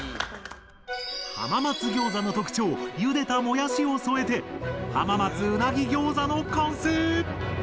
浜松ギョーザの特徴ゆでたもやしを添えて「浜松うなぎギョーザ」の完成！